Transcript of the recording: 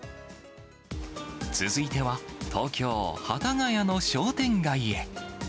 続いては、東京・幡ヶ谷の商店街へ。